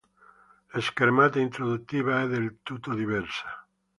La schermata introduttiva è del tutto diversa.